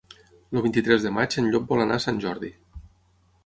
El vint-i-tres de maig en Llop vol anar a Sant Jordi.